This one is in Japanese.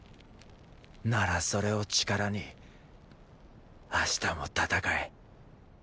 ならそれを力に明日も戦え。